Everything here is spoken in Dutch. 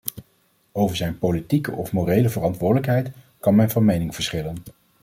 Over zijn politieke of morele verantwoordelijkheid kan men van mening verschillen.